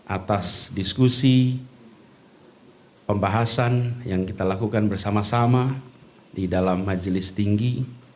atas diskusi pembahasan yang kita lakukan bersama sama di dalam majelis tinggi